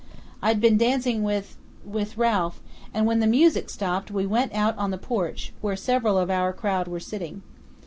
I'd been dancing with with Ralph, and when the music stopped we went out on the porch, where several of our crowd were sitting.